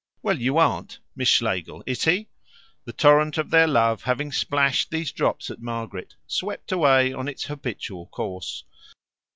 "Well, you aren't. Miss Schlegel, is he?" The torrent of their love, having splashed these drops at Margaret, swept away on its habitual course.